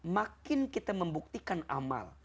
makin kita membuktikan amal